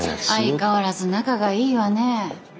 相変わらず仲がいいわね。